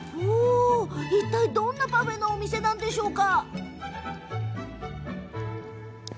いったい、どんなパフェのお店なんでしょうか？